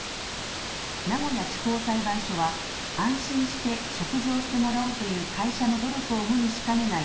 名古屋地方裁判所は安心して食事をしてもらおうという会社の努力を無にしかねない